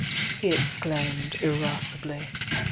he exclaimed, irascibly.